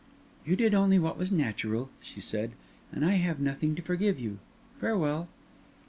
"You did only what was natural," she said, "and I have nothing to forgive you. Farewell."